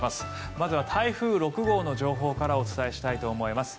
まずは台風６号の情報からお伝えしたいと思います。